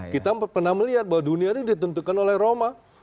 kita pernah melihat bahwa dunia ini ditentukan oleh roma